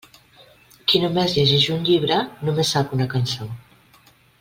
Qui només llegeix un llibre, només sap una cançó.